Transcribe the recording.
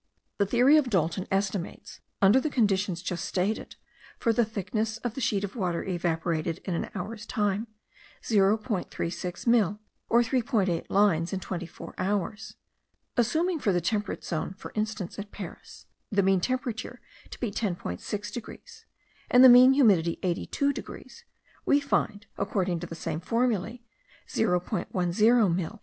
The theory of Dalton estimates, under the conditions just stated, for the thickness of the sheet of water evaporated in an hour's time, 0.36 mill., or 3.8 lines in twenty four hours. Assuming for the temperate zone, for instance at Paris, the mean temperature to be 10.6 degrees, and the mean humidity 82 degrees, we find, according to the same formulae, 0.10 mill.